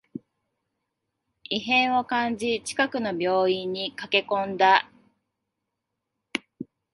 異変を感じ、近くの病院に駆けこんだ